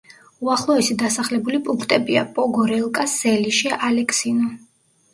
უახლოესი დასახლებული პუნქტებია: პოგორელკა, სელიშე, ალეკსინო.